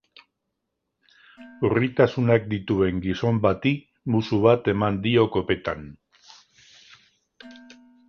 Urritasunak dituen gizon bati muxu bat eman dio kopetan.